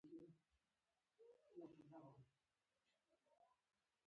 دا د ولی محمد خان ښځه ده.